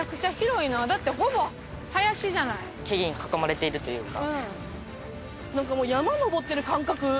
木々に囲まれているというか。